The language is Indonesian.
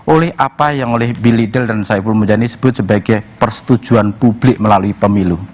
oleh apa yang oleh bilidal dan saiful mujani sebut sebagai persetujuan publik melalui pemilu